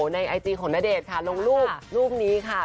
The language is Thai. ในไอจีของณเดชน์ค่ะลงรูปรูปนี้ค่ะ